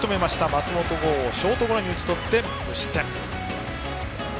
松本剛をショートゴロに打ち取って無失点。